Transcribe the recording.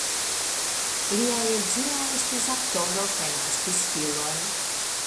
Lia edzino estis aktoro kaj naskis filon.